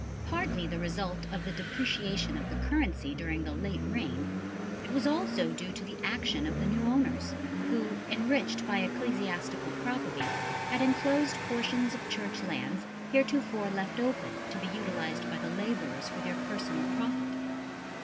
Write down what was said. Partly the result of the depreciation of the currency during the late reign, it was also due to the action of the new owners who, enriched by ecclesiastical property, had enclosed portions of Church lands heretofore left open to be utilised by the labourers for their personal profit.